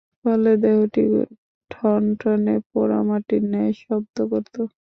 ফলে দেহটি ঠনঠনে পোড়া মাটির ন্যায় শব্দ করত।